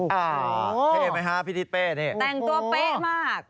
เท่ไหมฮะพี่ทิศเป้นี่แต่งตัวเป๊ะมาก